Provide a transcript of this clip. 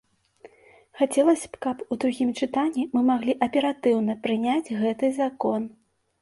Хацелася б, каб у другім чытанні мы маглі аператыўна прыняць гэты закон.